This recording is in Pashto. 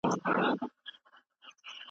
موږ بايد بيولوژيکي دلايل و نه منو.